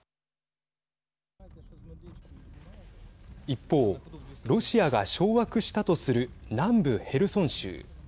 一方、ロシアが掌握したとする南部ヘルソン州。